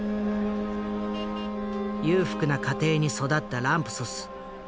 裕福な家庭に育ったランプソス。